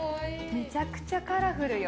めちゃくちゃカラフルよ。